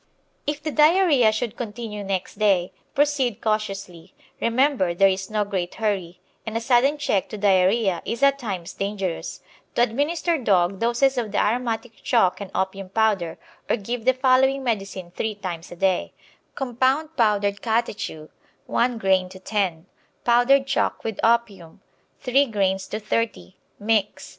It the diarrhoea should continue next day, proceed cautiously remember there is no great hurry, and a sudden check to diarrhoea is at times dangerous to administer dog doses of the aromatic chalk and opium powder, or give the following medicine three times a day: Compound powdered catechu, 1 grain to 10; powdered chalk with opium, 3 grains to 30. Mix.